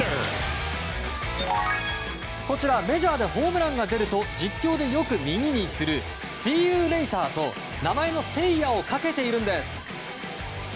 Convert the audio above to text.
こちら、メジャーでホームランが出ると実況でよく耳にするＳｅｅｙｏｕｌａｔｅｒと名前のセイヤをかけてるんです。